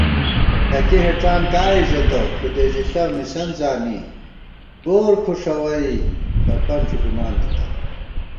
ݪَکی ہېڄان کائے ژېتہ کھُدے ژِݪہ مِسَن زانی گور کھݭَوَئی کھپن ݪُپِمان تِتہ